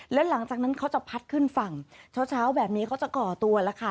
แล้วหลังจากนั้นเขาจะพัดขึ้นฝั่งเช้าแบบนี้เขาจะก่อตัวแล้วค่ะ